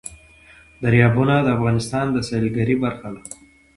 دریابونه د افغانستان د سیلګرۍ برخه ده.